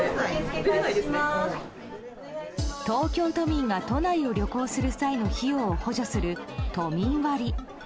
東京都民が都内を旅行する際の費用を補助する都民割。